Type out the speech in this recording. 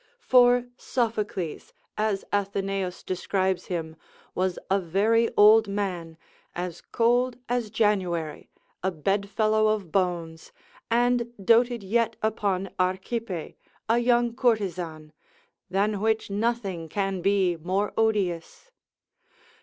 For Sophocles, as Atheneus describes him, was a very old man, as cold as January, a bedfellow of bones, and doted yet upon Archippe, a young courtesan, than which nothing can be more odious.